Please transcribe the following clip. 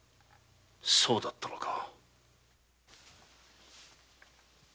そうだったのか。